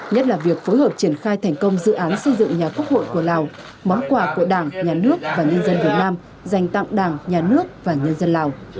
nhất là việc phối hợp triển khai thành công dự án xây dựng nhà quốc hội của lào món quà của đảng nhà nước và nhân dân việt nam dành tặng đảng nhà nước và nhân dân lào